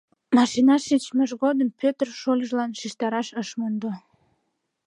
Машинаш шичмыж годым Пӧтыр шольыжлан шижтараш ыш мондо: